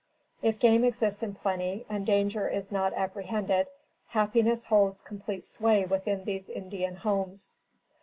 If game exists in plenty and danger is not apprehended, happiness holds complete sway within these Indian homes.